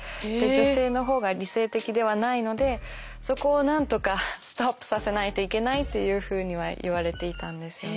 女性の方が理性的ではないのでそこをなんとかストップさせないといけないっていうふうにはいわれていたんですよね。